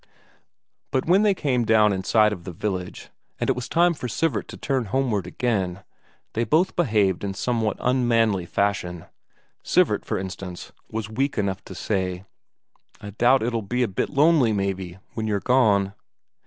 But when they came down in sight of the village, and it was time for Sivert to turn homeward again, they both behaved in somewhat unmanly fashion. Sivert, for instance, was weak enough to say: "I doubt it'll be a bit lonely, maybe, when you're gone."